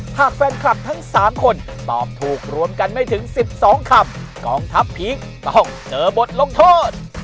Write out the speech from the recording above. หากแฟนคลับทั้ง๓คนตอบถูกรวมกันไม่ถึง๑๒คำกองทัพพีคต้องเจอบทลงโทษ